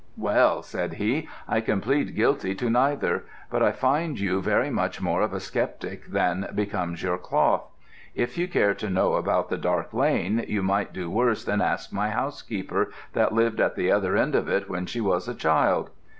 "'Well,' said he, 'I can plead guilty to neither; but I find you very much more of a sceptic than becomes your cloth. If you care to know about the dark lane you might do worse than ask my housekeeper that lived at the other end of it when she was a child.'